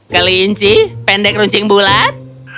kelinci pendek runcing bulan